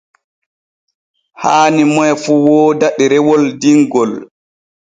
Haani moy fu wooda ɗerewol dingol.